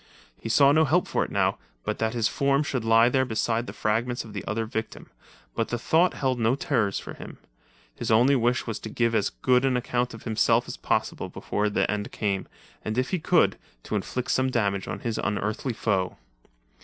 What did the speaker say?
He saw no help for it now, but that his form should lie there beside the fragments of the other ' victim, but the thought held no terrors for him. His only wish was to give as good an account of himself as possible before the end came, and if he could, to inflict some damage on his unearthly foe.